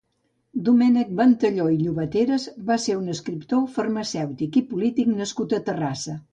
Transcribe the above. Domènec Ventalló i Llobateras va ser un escriptor, farmacèutic i polític nascut a Terrassa.